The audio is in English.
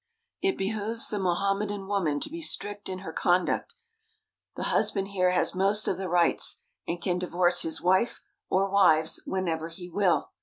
It behooves the Mohammedan woman to be strict in her conduct. The husband here has most of the rights, and can divorce his wife, or wives, whenever he will.